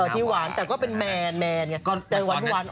แต่ก็เป็นแมนอย่างงี้